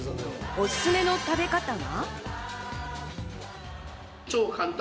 おすすめの食べ方は。